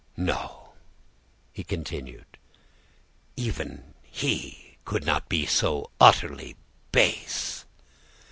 "'No,' he continued, 'even he could not be so utterly base.